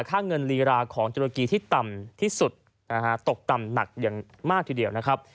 ค่าเงินลีราของตุรกีที่ต่ำที่สุดนะฮะตกต่ำหนักอย่างมากทีเดียวนะครับ